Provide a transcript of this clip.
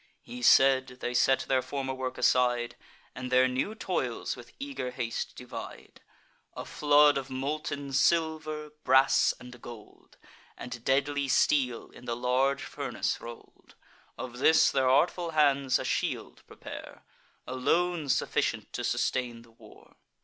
He said. They set their former work aside, And their new toils with eager haste divide. A flood of molten silver, brass, and gold, And deadly steel, in the large furnace roll'd; Of this, their artful hands a shield prepare, Alone sufficient to sustain the war.